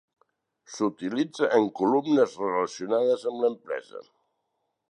S'utilitza en columnes relacionades amb l'empresa.